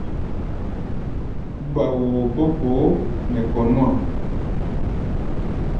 Gba-woo gbó gboó nɛ kɔ̧ nú-a.